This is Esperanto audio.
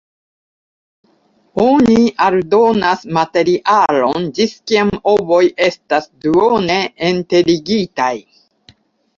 Oni aldonas materialon ĝis kiam ovoj estas duone enterigitaj.